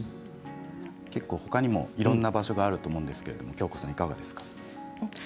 他にもいろんな場所があると思うんですがいかがですか。